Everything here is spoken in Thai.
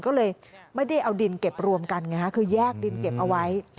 ก็เลยไม่ได้เอาดินเก็บรวมกันไงฮะคือแยกดินเก็บเอาไว้